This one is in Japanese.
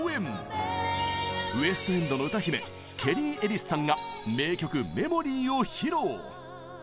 ウエストエンドの歌姫ケリー・エリスさんが名曲「メモリー」を披露！